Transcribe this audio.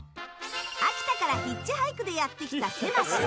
秋田からヒッチハイクでやってきた、せまし。